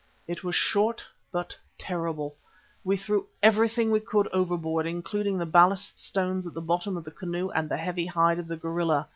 It was short but terrible. We threw everything we could overboard, including the ballast stones at the bottom of the canoe and the heavy hide of the gorilla.